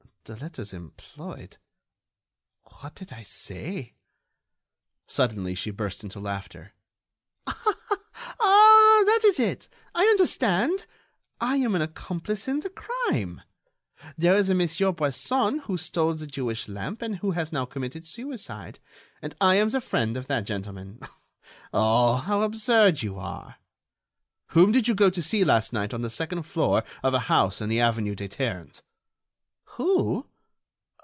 "The letters employed ... what did I say...." Suddenly she burst into laughter: "Ah! that is it! I understand! I am an accomplice in the crime! There is a Monsieur Bresson who stole the Jewish lamp and who has now committed suicide. And I am the friend of that gentleman. Oh! how absurd you are!" "Whom did you go to see last night on the second floor of a house in the avenue des Ternes?" "Who?